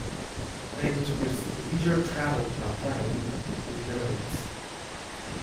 They introduced leisure travel by plane in the Netherlands.